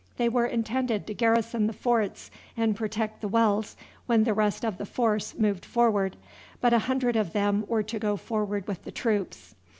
They were intended to garrison the forts and protect the wells when the rest of the force moved forward, but a hundred of them were to go forward with the troops.